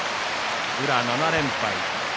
宇良は７連敗。